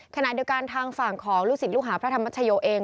ขณะเดียวกันทางฝั่งของลูกศิษย์ลูกหาพระธรรมชโยเอง